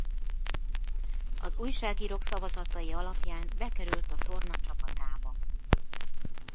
Az újságírók szavazatai alapján bekerült a torna csapatába.